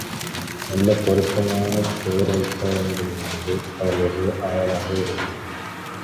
நல்ல பொருத்தமான பெயர் வைக்க வேண்டுமென்பது அவளுடைய ஆவலாக இருந்தது.